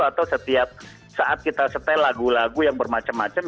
atau setiap saat kita setel lagu lagu yang bermacam macam